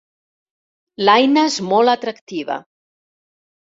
L'Aina és molt atractiva